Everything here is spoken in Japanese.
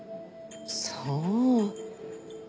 そう。